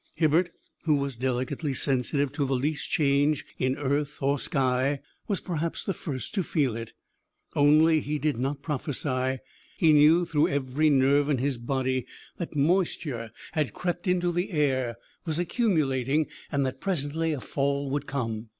Hibbert, who was delicately sensitive to the least change in earth or sky, was perhaps the first to feel it. Only he did not prophesy. He knew through every nerve in his body that moisture had crept into the air, was accumulating, and that presently a fall would come.